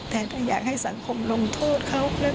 แทนก็อยากให้สังคมลงโทษเขา